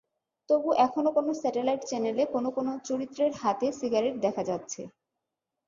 তবু এখনো কোনো স্যাটেলাইট চ্যানেলে কোনো কোনো চরিত্রের হাতে সিগারেট দেখা যাচ্ছে।